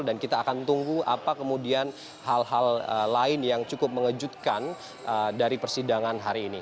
dan kita akan tunggu apa kemudian hal hal lain yang cukup mengejutkan dari persidangan hari ini